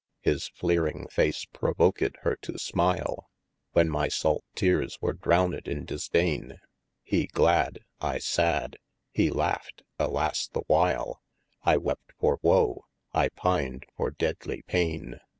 His fleering face provoked hir to smile, When my salt teares were drowned in disdaine : He glad, I sad, he laught, {alas the while) I wept for woe : I pin'd for deadlie paine.